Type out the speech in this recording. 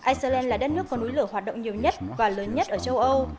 iceland là đất nước có núi lửa hoạt động nhiều nhất và lớn nhất ở châu âu